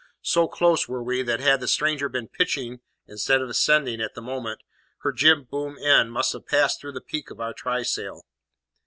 So close were we, that had the stranger been pitching instead of 'scending at the moment, her jib boom end must have passed through the peak of our trysail.